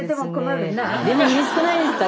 でもうれしくないですか？